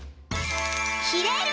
「きれる」！